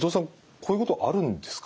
こういうことあるんですか？